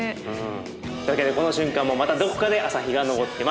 というわけでこの瞬間もまたどこかで朝日が昇っています。